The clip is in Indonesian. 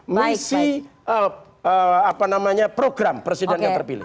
misi program presiden yang terpilih